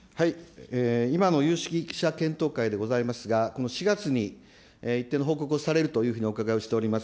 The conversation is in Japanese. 今の有識者検討会でございますが、この４月に一定の報告をされるというふうにお伺いをしております。